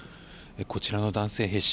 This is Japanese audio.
こちらの男性兵士